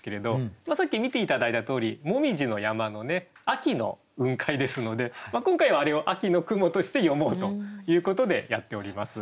さっき見て頂いたとおり紅葉の山の秋の雲海ですので今回はあれを「秋の雲」として詠もうということでやっております。